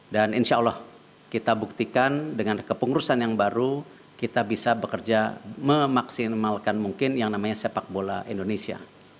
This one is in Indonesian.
dan insya allah kita buktikan dengan kepengurusan yang baru kita bisa bekerja memaksimalkan mungkin yang namanya sepak bola indonesia